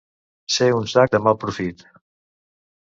Ser un sac de mal profit.